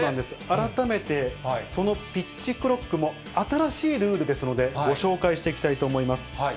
改めて、そのピッチクロックも新しいルールですので、ご紹介していきたいと思います。